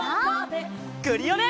クリオネ！